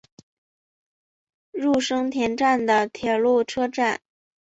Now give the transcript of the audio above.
入生田站的铁路车站。